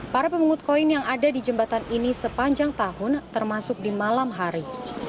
para pemungut koin yang ada di jembatan ini sepanjang tahun termasuk di malam hari